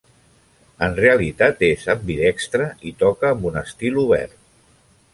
En realitat, és ambidextre i toca amb un estil obert.